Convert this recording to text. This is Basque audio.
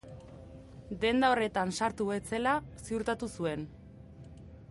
Denda horretan sartu ez zela ziurtatu zuen.